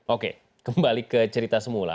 oke kembali ke cerita semula